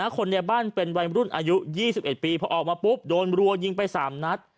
คนในบ้านเป็นวัยรุ่นอายุ๒๑ปีพอออกมาปุ๊บโดนรัวยิงไป๓นัด